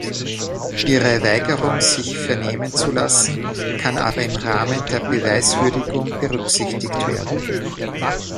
Ihre Weigerung, sich vernehmen zu lassen, kann aber im Rahmen der Beweiswürdigung berücksichtigt werden.